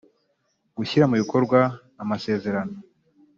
gushyira mu bikorwa amasezerano